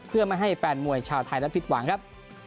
เพื่อไม่ให้แฟนมวยชาวไทยนั้นผิดหวังครับ